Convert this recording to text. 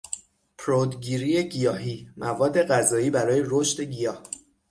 پرود گیری گیاهی، مواد غذایی برای رشد گیاه